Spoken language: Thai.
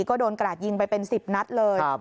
ก็โดนกระดาษยิงไปเป็น๑๐นัดเลย